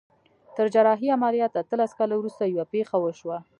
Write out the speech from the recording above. تر جراحي عمليات اتلس کاله وروسته يوه پېښه وشوه.